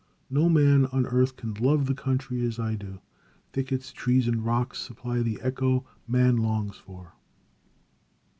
"No man on earth can love the country as I do. Thickets, trees and rocks supply the echo man longs for."